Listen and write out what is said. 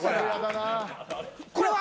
これは。